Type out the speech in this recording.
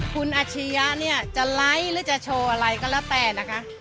คุณอาชียะเนี่ยจะไลค์หรือจะโชว์อะไรก็แล้วแต่นะคะ